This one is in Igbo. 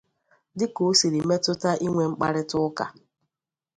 dịka o siri metụta inwe mkparịtaụka